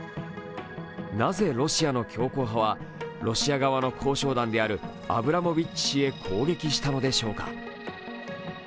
なぜロシアの強硬派はロシア側の交渉団であるアブラモビッチ氏へ攻撃したのでしょうか？